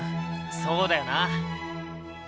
そうだよな！